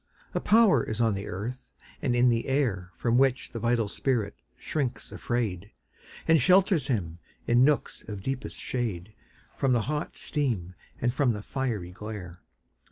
A power is on the earth and in the air From which the vital spirit shrinks afraid, And shelters him, in nooks of deepest shade, From the hot steam and from the fiery glare.